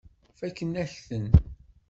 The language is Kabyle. Fakken-ak-ten.